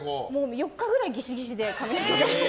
４日くらいギシギシで髪の毛が。